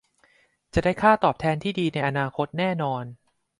จะได้ค่าตอบแทนดีในอนาคตแน่นอน